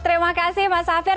terima kasih mas safir